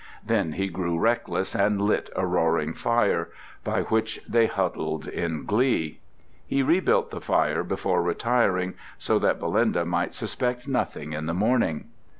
Then he grew reckless and lit a roaring fire, by which they huddled in glee. He rebuilt the fire before retiring, so that Belinda might suspect nothing in the morning.